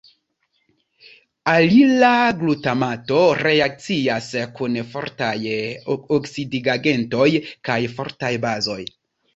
Alila glutamato reakcias kun fortaj oksidigagentoj kaj fortaj bazoj.